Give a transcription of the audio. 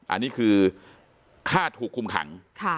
อันนี้คือค่าถูกคุมขัง